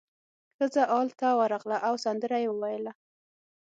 ښځه ال ته ورغله او سندره یې وویله.